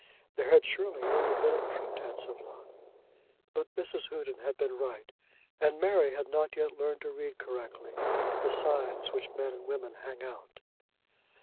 There had surely only been a pretence of love. But Mrs. Houghton had been right, and Mary had not yet learned to read correctly the signs which men and women hang out.